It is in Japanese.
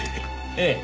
ええ。